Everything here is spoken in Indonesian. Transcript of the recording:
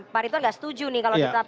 pak ridwan tidak setuju nih kalau ditetapkan